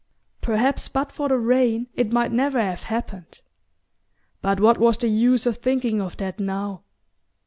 Perhaps but for the rain it might never have happened; but what was the use of thinking of that now?